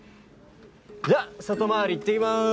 じゃあ外回りいってきます！